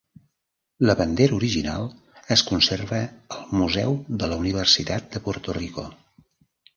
La bandera original es conserva al Museu de la Universitat de Puerto Rico.